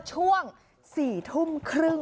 ช่วง๔ทุ่มครึ่ง